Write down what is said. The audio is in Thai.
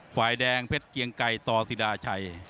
ฝ่ายแดงเพชรเกียงไก่ต่อศิราชัย